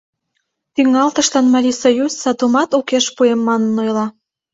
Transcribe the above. Тӱҥалтышлан Марисоюз «сатумат укеш пуэм» манын ойла.